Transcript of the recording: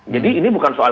jadi ini bukan soal